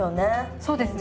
そうですね。